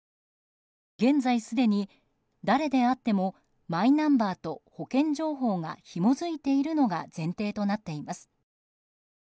現在、すでに誰であってもマイナンバーと保険情報がひも付いているのが前提となっています。